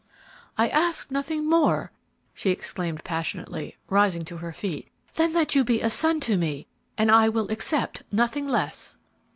"I ask nothing more," she exclaimed, passionately, rising to her feet, "than that you be a son to me, and I will accept nothing less."